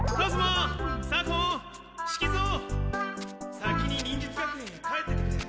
先に忍術学園へ帰っててくれ。